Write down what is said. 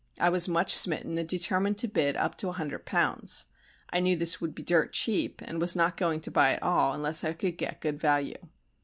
I was much smitten and determined to bid up to a hundred pounds; I knew this would be dirt cheap and was not going to buy at all unless I could get good value.